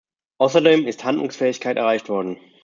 Außerdem ist Handlungsfähigkeit erreicht worden.